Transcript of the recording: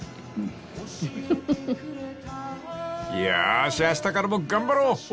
［よーしあしたからも頑張ろう］